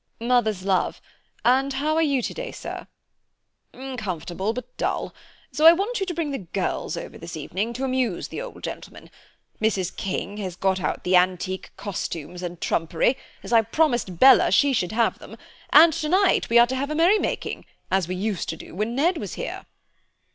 "Mother's love, and how are you today, sir?" "Comfortable, but dull, so I want you to bring the girls over this evening, to amuse the old gentleman. Mrs. King has got out the antique costumes and trumpery, as I promised Bella she should have them, and tonight we are to have a merrymaking, as we used to do when Ned was here."